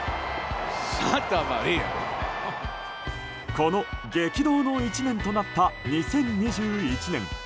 この激動の１年となった２０２１年。